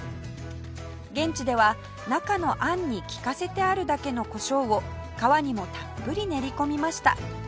現地では中の餡に利かせてあるだけの胡椒を皮にもたっぷり練り込みました